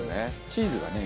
チーズがね